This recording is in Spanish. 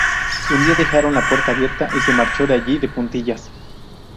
Un día dejaron la puerta abierta, y se marchó de allí de puntillas.